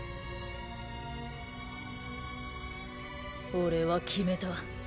俺は決めた。